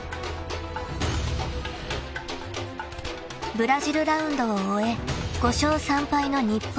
［ブラジルラウンドを終え５勝３敗の日本］